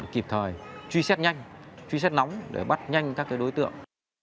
kịp thời truy xét nhanh truy xét nóng để bắt nhanh các đối tượng